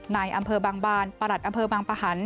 ในอำเภอบางบานประหลัดอำเภอบางปะหัน